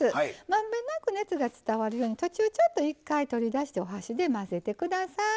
まんべんなく熱が伝わるように途中ちょっと一回取り出してお箸で混ぜてください。